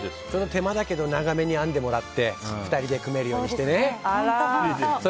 手間だけど長めに編んでもらって２人で組めるようにしてね。